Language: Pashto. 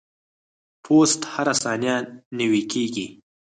پوست هره ثانیه نوي کیږي.